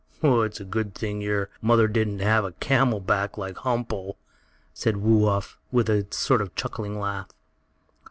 "It's a good thing your mother didn't have a camel back like Humpo," said Woo Uff, with a sort of chuckling laugh.